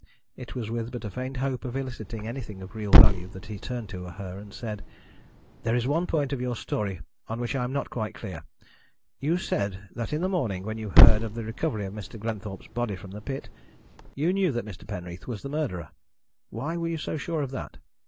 It was with but a faint hope of eliciting anything of real value that he turned to her and said: "There is one point of your story on which I am not quite clear. You said that in the morning, when you heard of the recovery of Mr. Glenthorpe's body from the pit, you knew that Mr. Penreath was the murderer. Why were you so sure of that?